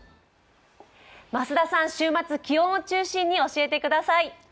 増田さん、週末、気温を中心に教えてください。